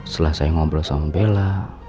setelah saya ngobrol sama bella